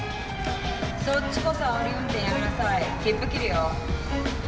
そっちこそあおり運転やめなさい切符切るよ。